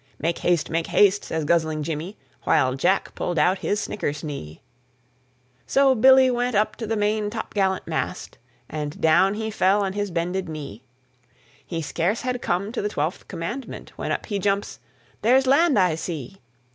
"Make haste, make haste," says guzzling Jimmy While Jack pulled out his snickersnee. So Billy went up to the main topgallant mast, And down he fell on his bended knee. He scarce had come to the Twelfth Commandment When up he jumps, "There's land I see.